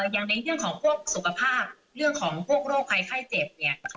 อย่างในเรื่องของพวกสุขภาพเรื่องของพวกโรคภัยไข้เจ็บเนี่ยนะคะ